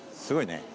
すごいね。